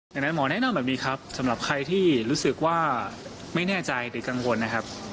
อย่างนั้นหมอแนะนำแบบนี้ครับสำหรับใครที่รู้สึกว่าไม่แน่ใจหรือกังวลนะครับ